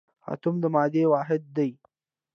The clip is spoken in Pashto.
اتوم د مادې واحد دی